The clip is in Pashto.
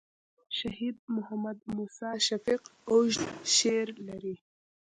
شهید محمد موسي شفیق اوږد شعر لري.